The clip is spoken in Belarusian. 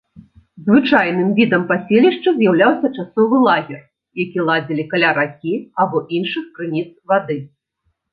Звычайным відам паселішча з'яўляўся часовы лагер, які ладзілі каля ракі або іншых крыніц вады.